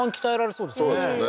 そうですよね